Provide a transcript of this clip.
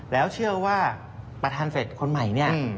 แล้วเชื่อว่าประธานเศรษฐ์คนใหม่